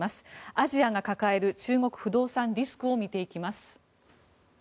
アジアが抱える中国不動産リスクを見ていきます。